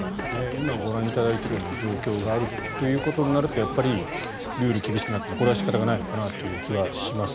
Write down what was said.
今ご覧になっているような状況があるということはやっぱりルールが厳しくなってもこれは仕方がないのかなという気はします。